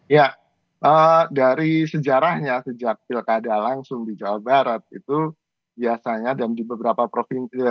ya dari sejarahnya sejak pilkada langsung di jawa barat itu biasanya dan di beberapa provinsi